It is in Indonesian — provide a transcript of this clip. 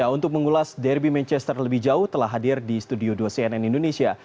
untuk mengulas derby manchester lebih jauh telah hadir di studio dua cnn indonesia